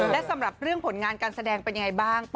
และสำหรับเรื่องผลงานการแสดงเป็นยังไงบ้าง